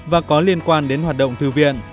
và có liên quan đến hoạt động thư viện